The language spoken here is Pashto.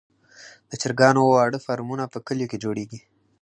د چرګانو واړه فارمونه په کليو کې جوړیږي.